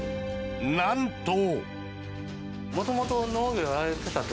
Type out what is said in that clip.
なんと。